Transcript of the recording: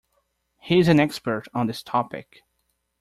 He is an expert on this topic.